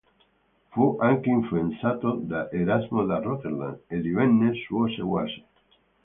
Fu anche influenzato da Erasmo da Rotterdam e divenne suo seguace.